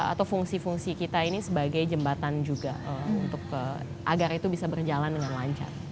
atau fungsi fungsi kita ini sebagai jembatan juga agar itu bisa berjalan dengan lancar